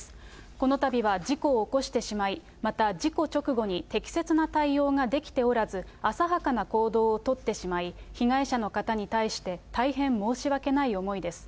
このたびは事故を起こしてしまい、また、事故直後に適切な対応ができておらず、浅はかな行動を取ってしまい、被害者の方に対して大変申し訳ない思いです。